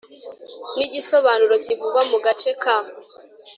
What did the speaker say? n igisobanuro kivugwa mu gace ka